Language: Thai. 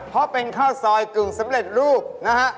เพราะเป็นข้าวซอยกึ่งสำเร็จรูปนะฮะ